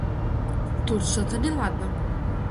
Тут что-то неладно.